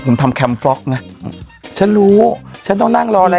ผมทำแคมปล็อกนะฉันรู้ฉันต้องนั่งรออะไร